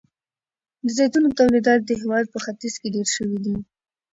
د زیتونو تولیدات د هیواد په ختیځ کې ډیر شوي دي.